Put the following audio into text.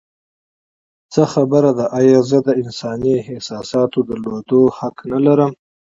څه خبره ده؟ ایا زه د انساني احساساتو د درلودو حق نه لرم؟